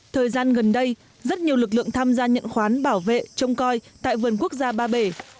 thời gian gần đây rất nhiều lực lượng tham gia nhận khoán bảo vệ trông coi tại vườn quốc gia ba bể